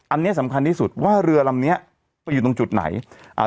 อันนี้สำคัญที่สุดว่าเรือลำเนี้ยไปอยู่ตรงจุดไหนอ่า